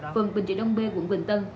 phường bình trị đông bê quận bình tân